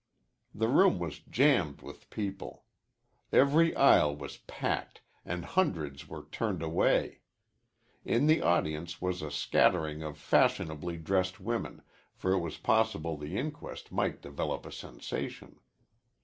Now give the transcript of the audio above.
The room was jammed with people. Every aisle was packed and hundreds were turned away. In the audience was a scattering of fashionably dressed women, for it was possible the inquest might develop a sensation.